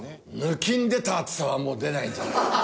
抜きん出た暑さはもう出ないんじゃないか。